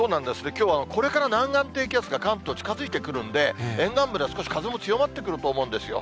きょうはこれから南岸低気圧が関東、近づいてくるんで、沿岸部では少し風も強まってくると思うんですよ。